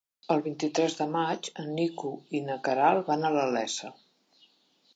El vint-i-tres de maig en Nico i na Queralt van a la Iessa.